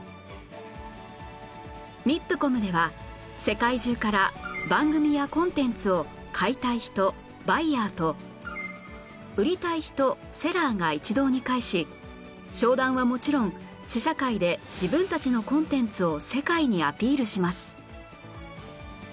ＭＩＰＣＯＭ では世界中から番組やコンテンツを買いたい人バイヤーと売りたい人セラーが一堂に会し商談はもちろん試写会で自分たちのコンテンツを世界にアピールします